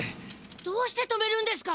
どうして止めるんですか？